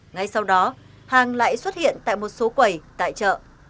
ngay sau đó hàng lại xuất hiện tại một số quầy tại chợ